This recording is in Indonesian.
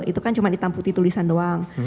itu kan cuma di tanah putih tulisan doang